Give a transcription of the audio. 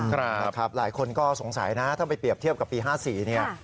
ครับนะครับหลายคนก็สงสัยนะถ้าไปเปรียบเทียบกับปี๕๔เนี่ย